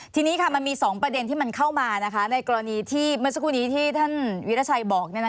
ทีนี้ค่ะมันมี๒ประเด็นที่มันเข้ามาในกรณีที่เมื่อสักครู่นี้ที่ท่านวิราชัยบอก